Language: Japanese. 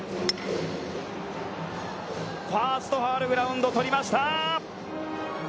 ファースト、ファールグラウンド、捕りました。